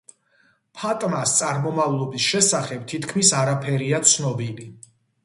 ფატმას წარმომავლობის შესახებ, თითქმის არაფერია ცნობილი.